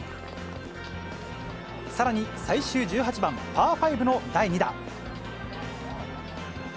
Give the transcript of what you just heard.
さらに最終１８番パー５の第２打。